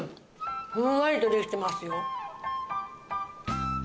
ふんわりとできてますよ。